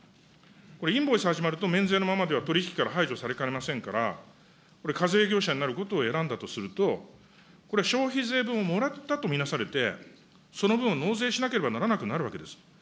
これ、インボイス始まると免税のままでは取り引きから排除されかねませんから、これ、課税業者になることを選んだとすると、これ、消費税分をもらったと見なされて、その分を納税しなければならなくなるんです。